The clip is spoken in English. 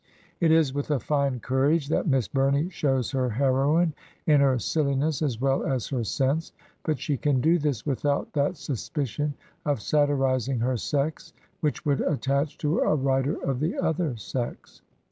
It is with a fine courage that Miss Bumey shows her heroine in her silhness as well as her sense, but she can do this without that suspicion of satirizing her sex which would attach to a writer of the other sex.